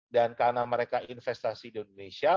dan karena mereka investasi di indonesia